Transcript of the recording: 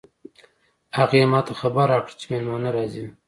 هغې ما ته خبر راکړ چې مېلمانه راځي